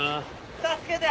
助けて！